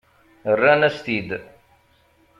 Rran-as-t-id.